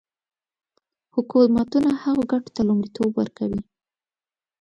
حکومتونه هغو ګټو ته لومړیتوب ورکوي.